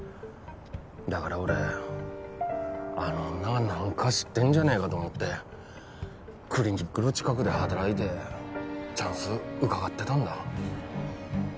だから俺あの女が何か知ってんじゃねぇがど思っでクリニックの近くで働いでチャンスうかがってだんだ。